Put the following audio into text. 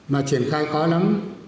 mà triển khai khó lắm